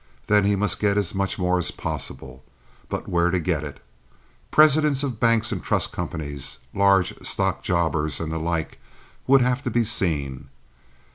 Then he must get as much more as possible. But where to get it? Presidents of banks and trust companies, large stock jobbers, and the like, would have to be seen.